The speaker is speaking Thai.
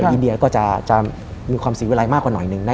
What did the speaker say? อินเดียก็จะมีความเสียเวลามากกว่าหน่อยหนึ่ง